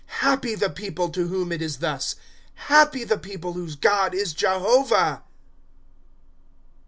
^^ Happy the people to whom it is thus ; Happy the people whose God is Jehovah